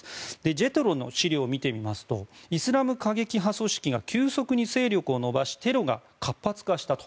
ＪＥＴＲＯの資料を見てみますとイスラム過激派組織が急速に勢力を伸ばしテロが活発化したと。